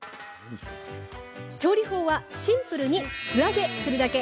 調理法はシンプルに素揚げにするだけ。